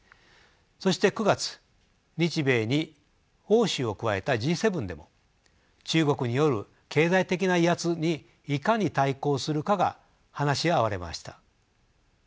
そして９月日米に欧州を加えたＧ７でも中国による経済的な威圧にいかに対抗するかが話し合われました。